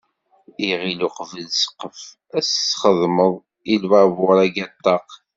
Iɣil uqbel ssqef, ad s-txedmeḍ i lbabur-agi ṭṭaq.